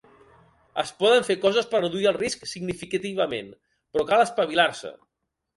Es poden fer coses per reduir el risc significativament, però cal espavilar-se.